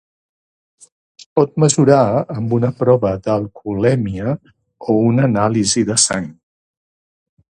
Es pot mesurar amb una prova d'alcoholèmia o una anàlisi de sang.